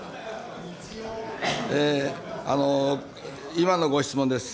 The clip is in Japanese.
今のご質問です。